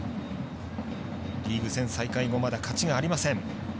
リーグ戦再開後まだ勝ちがありません。